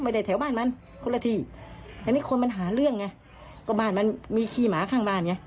แถวบ้านมันคนละที่อันนี้คนมันหาเรื่องไงก็บ้านมันมีขี้หมาข้างบ้านไง